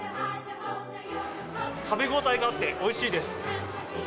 食べ応えがあって、おいしいです。